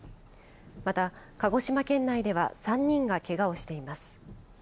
また、鹿児島県内では３人がけがをしています。